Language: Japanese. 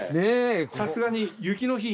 さすがに。